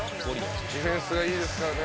ディフェンスがいいですからね。